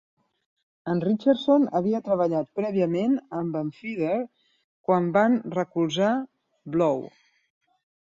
En Richardson havia treballat prèviament amb en Feeder quan van recolzar b.l.o.w.